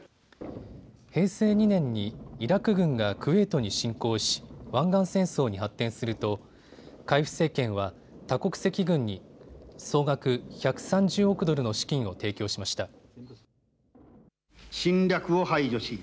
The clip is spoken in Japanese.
平成２年にイラク軍がクウェートに侵攻し湾岸戦争に発展すると海部政権は多国籍軍に総額１３０億ドルの資金を提供しました。